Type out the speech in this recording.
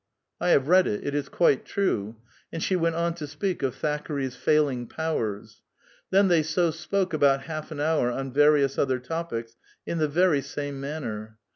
''I have read it; it is quite trae." And she went on to speak of Thackeray's failing powers. Then they so spoke about half an hour on various other topics in the ver}* same manner.